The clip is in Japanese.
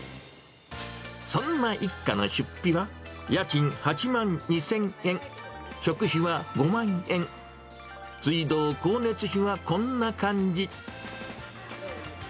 そんな一家の出費は、家賃８万２０００円、食費は５万円、水道、光熱費はこんな感じ。